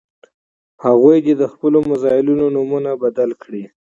هغوی دې د خپلو میزایلونو نوم دې بدل کړي.